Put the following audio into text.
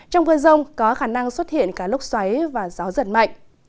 trong mưa rông có khả năng xuất hiện cả lúc xoáy và gió giật mạnh